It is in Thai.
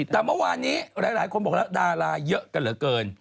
แต่เมื่อวานนี้หลายคนบอกแล้วดาราเยอะกันเหลือเกิน